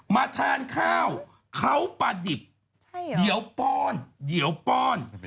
มาทานข้าวเขาปลาดิบเดี๋ยวป้อนเดี๋ยวป้อน